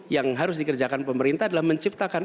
yang harus dikerjakan pemerintah adalah menciptakan